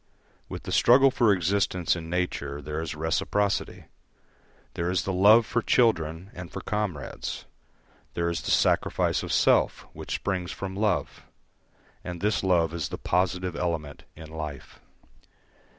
With the struggle for existence in nature there is reciprocity. There is the love for children and for comrades; there is the sacrifice of self, which springs from love; and this love is the positive element in life.